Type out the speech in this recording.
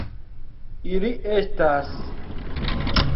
Ili estas.